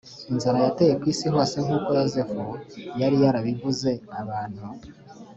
inzara yateye ku isi hose nk uko Yozefu yari yarabivuze Abantu